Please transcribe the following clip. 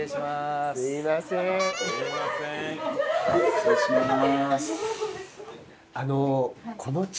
失礼します。